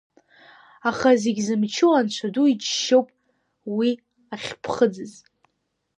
Аха, зегь зымчу анцәа ду иџьшьоуп уи ахьԥхыӡыз.